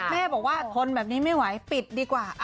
แม่บอกว่าทนแบบนี้ไม่ไหวปิดดีกว่า